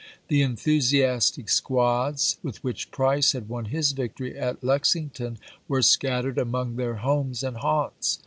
The enthusi astic squads with which Price had won his victory at Lexington were scattered among their homes and haunts.